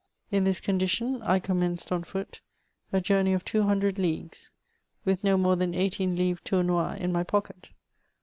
In this condition, I commenced on foot a journey of two hundred leagues, with no more than eighteen livres Toumois in my pocket.